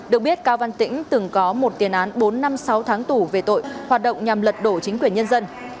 được biết cao văn tĩnh từng có một tiền án bốn năm sáu tháng tù về tội hoạt động nhằm lật đổ chính quyền nhân dân